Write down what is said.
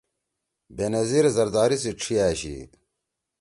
بے نظیر زرداری سی ڇھی أشی۔